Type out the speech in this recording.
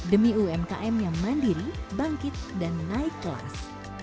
demi umkm yang mandiri bangkit dan naik kelas